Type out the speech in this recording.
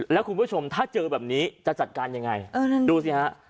แล้วคุณผู้ชมถ้าเจอแบบนี้จะจัดการยังไงดูสิฮะ